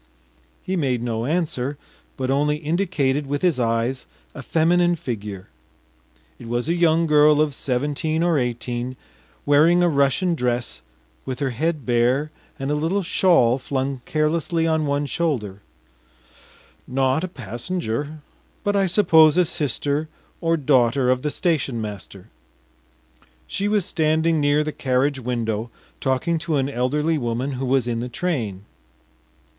He made no answer, but only indicated with his eyes a feminine figure. It was a young girl of seventeen or eighteen, wearing a Russian dress, with her head bare and a little shawl flung carelessly on one shoulder; not a passenger, but I suppose a sister or daughter of the station master. She was standing near the carriage window, talking to an elderly woman who was in the train.